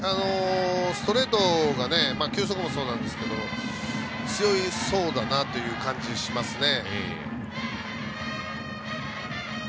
ストレートが球速もそうですけど強そうな感じがしますね。